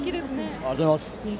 ありがとうございます。